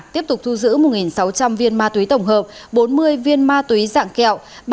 giữ một sáu trăm linh viên ma túy tổng hợp bốn mươi viên ma túy dạng kẹo